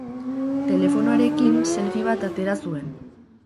Telefonoarekin selfie bat atera zuen.